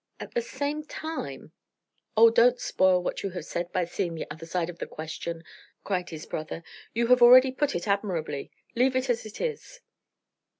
At the same time " "Oh, don't spoil what you have said by seeing the other side of the question!" cried his brother "You have already put it admirably; leave it as it is."